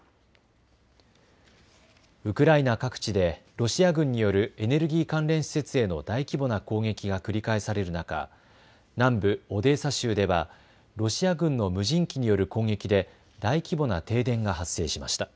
ウクライナ各地でロシア軍によるエネルギー関連施設への大規模な攻撃が繰り返される中、南部オデーサ州ではロシア軍の無人機による攻撃で大規模な停電が発生しました。